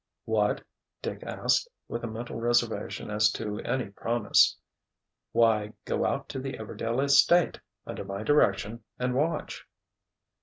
"What?" Dick asked, with a mental reservation as to any promise. "Why, go out to the Everdail estate, under my direction, and watch."